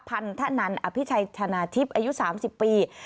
พันธนันอภิชัยชนะทิพย์อายุ๓๐ปี